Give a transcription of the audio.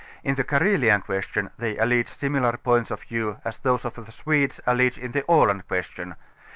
In the Carelian question they allege similar points of view as those that the Swedes allege in the Aland question.